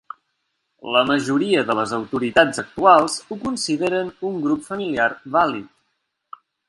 La majoria de les autoritats actuals ho consideren un grup familiar vàlid.